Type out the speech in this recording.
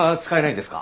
何ですか。